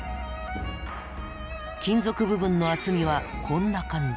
金属部分の厚みはこんな感じ。